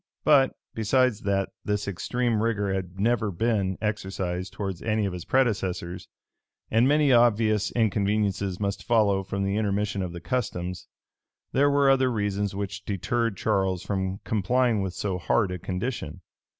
But, besides that this extreme rigor had never been exercised towards any of his predecessors, and many obvious inconveniencies must follow from the intermission of the customs, there were other reasons which deterred Charles from complying with so hard a condition.